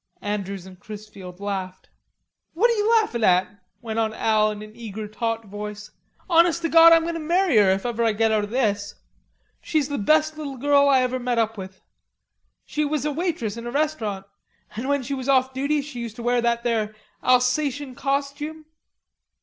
Andrews and Chrisfield laughed. "What you laughin' at?" went on Al in an eager taut voice. "Honest to Gawd. I'm goin' to marry her if I ever get out of this. She's the best little girl I ever met up with. She was waitress in a restaurant, an' when she was off duty she used to wear that there Alsatian costume....